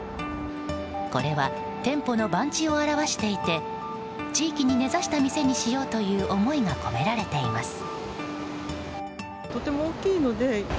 これは店舗の番地を表していて地域に根差した店にしようという思いが込められています。